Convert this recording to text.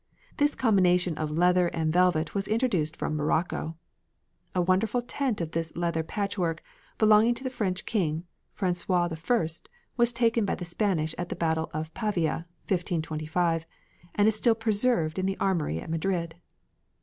This combination of leather and velvet was introduced from Morocco. A wonderful tent of this leather patchwork, belonging to the French king, François I, was taken by the Spanish at the battle of Pavia (1525), and is still preserved in the armoury at Madrid.